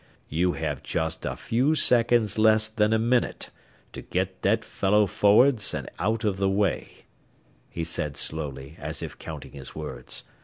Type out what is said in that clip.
"You have just a few seconds less than a minute to get that fellow forrads and out of the way," he said slowly, as if counting his words.